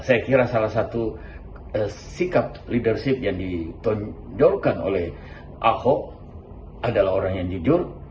saya kira salah satu sikap leadership yang ditonjolkan oleh ahok adalah orang yang jujur